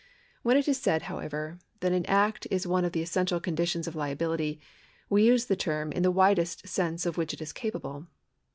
When it in said, however, that an act is one of the essential conditions of liability, we use the term in the widest sense of which it is capable.